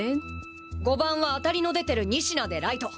５番はあたりの出てる仁科でライト。